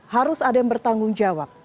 harus ada yang bertanggung jawab